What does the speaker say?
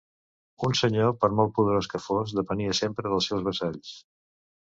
Un senyor, per molt poderós que fos, depenia sempre dels seus vassalls.